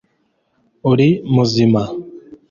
uri muzima